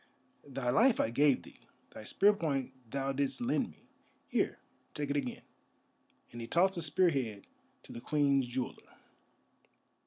Thy life I gave thee, thy spear point thou didst lend me. Here, take it again," and he tossed the spear head to the Queen's Jeweller.